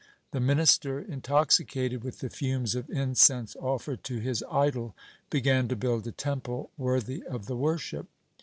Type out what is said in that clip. The minister, in toxicated with the fumes of incense offered to his idol, began to build a temple worthy of the worship.